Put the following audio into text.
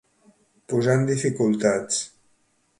Posar en dificultats.